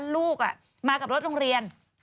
ลูกมากับรถโรงเรียน